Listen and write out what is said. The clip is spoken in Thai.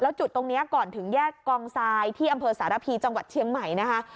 จุดตรงนี้ก่อนถึงแยกกองทรายที่อำเภอสารพีจังหวัดเชียงใหม่นะคะ